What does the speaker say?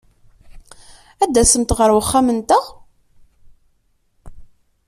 Ad tasemt ɣer wexxam-nteɣ?